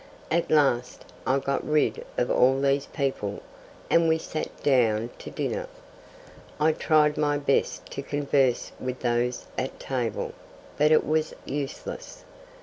At last I got rid of all these people, and we sat down to dinner. I tried my best to converse with those at table, but it was useless.